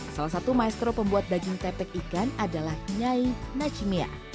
salah satu maestro pembuat daging tepek ikan adalah nyai nacimya